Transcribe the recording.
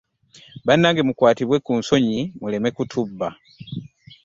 Banange mukwatibwe ku nsonyi muleme kutubba.